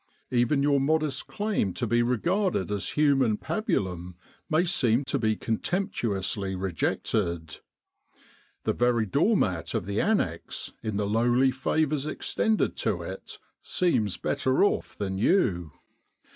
Even your modest claim to be regarded as human pabulum may seem to be contemptuously rejected. The very doormat of the annexe, in the lowly favours extended to it, seems better off than you.